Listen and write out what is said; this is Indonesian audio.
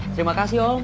terima kasih om